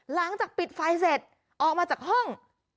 หลังจากปิดไฟเสร็จออกมาจากห้อง